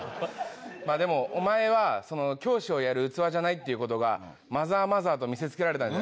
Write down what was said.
まあでもお前は教師をやる器じゃないっていう事がマザーマザーと見せつけられたんじゃない？